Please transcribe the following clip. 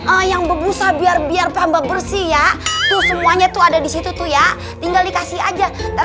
ayam berbusa biar biar pambah bersih ya tuh semuanya tuh ada disitu tuh ya tinggal dikasih aja